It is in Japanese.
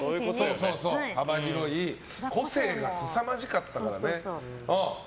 幅広い個性がすさまじかったからね。